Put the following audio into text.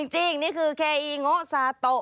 จริงนี่คือเคอีโงซาโตะ